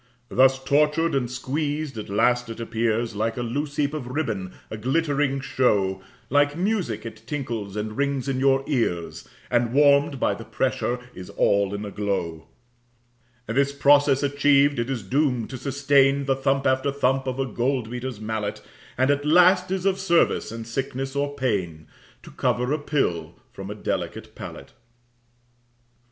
Thus tortured and squeezed, at last it appears Like a loose heap of ribbon, a glittering show, Like music it tinkles and rings in your ears, And warm'd by the pressure is all in a glow. This process achiev'd, it is doom'd to sustain The thump after thump of a gold beater's mallet, And at last is of service in sickness or pain To cover a pill from a delicate palate.